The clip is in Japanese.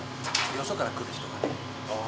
よそから来る人がね。